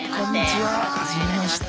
はじめまして。